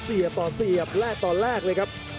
เสียบต่อเสียบแลกต่อแลกเลยครับ